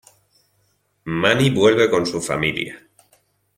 Manny vuelve con su familia.